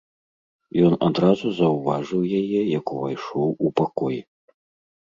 Ён адразу заўважыў яе, як увайшоў у пакой.